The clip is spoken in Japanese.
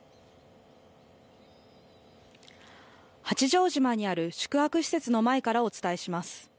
八丈島にある宿泊施設の前からお伝えします。